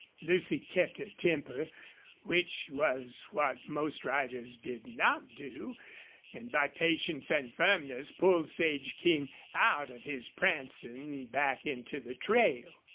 Lucy kept her temper, which was what most riders did not do, and by patience and firmness pulled Sage King out of his prancing back into the trail.